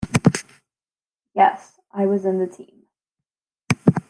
Yes, I was in the team.